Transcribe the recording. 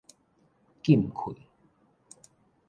禁氣